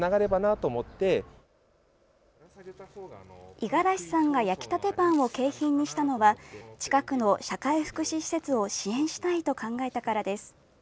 五十嵐さんが焼きたてパンを景品にしたのは近くの社会福祉施設を支援したいと考えたからです。